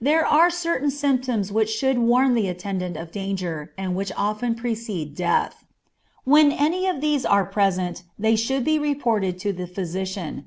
There are certain symptoms which should warn the attendant of danger, and which often precede death. When any of these are present they should be reported to the physician.